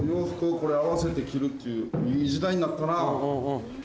これ合わせて着るっていういい時代になったな。